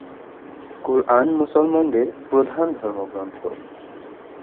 কুরআন মুসলমানদের প্রধান ধর্মগ্রন্থ।